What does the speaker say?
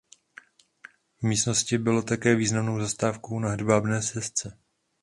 V minulosti bylo také významnou zastávkou na Hedvábné stezce.